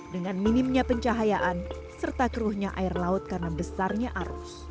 dengan minimnya pencahayaan serta keruhnya air laut karena besarnya arus